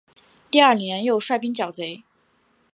第二年又率兵剿贼。